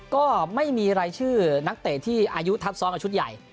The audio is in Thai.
ก็ไม่มีรายชื่อนักเตะที่อายุทับซ้อนกับชุดใหญ่